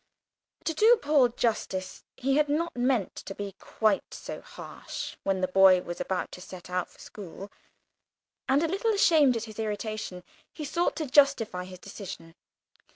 To do Paul justice, he had not meant to be quite so harsh when the boy was about to set out for school, and, a little ashamed of his irritation, he sought to justify his decision.